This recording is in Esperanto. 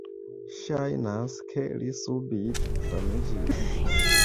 Ŝajnas ke li subite famiĝis."